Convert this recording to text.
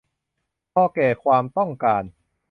พอแก่ความต้องการ